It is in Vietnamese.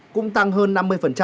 cũng tăng hơn năm mươi